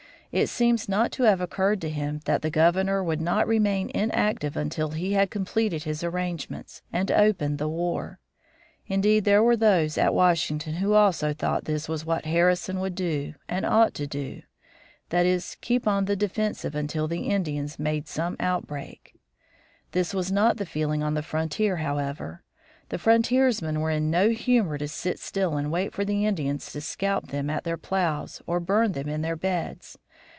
It seems not to have occurred to him that the Governor would not remain inactive until he had completed his arrangements and opened the war. Indeed, there were those at Washington who also thought this was what Harrison would and ought to do; that is, keep on the defensive until the Indians made some outbreak. This was not the feeling on the frontier, however. The frontiersmen were in no humor to sit still and wait for the Indians to scalp them at their plows or burn them in their beds.